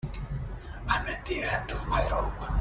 I'm at the end of my rope.